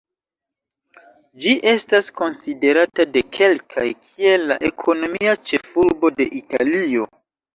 Ĝi estas konsiderata de kelkaj kiel la ekonomia ĉefurbo de Italio.